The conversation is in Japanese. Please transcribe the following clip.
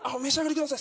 ください